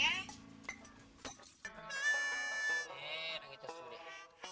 eh orang itu sudah